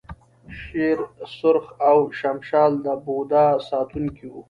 شیر سرخ او شمشال د بودا ساتونکي وو